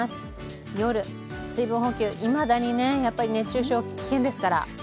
夜、水分補給、いまだに熱中症、危険ですから。